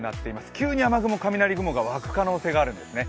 急に雨雲、雷雲が涌く可能性があるんですね。